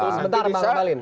sebentar bang balin